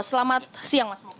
selamat siang mas moko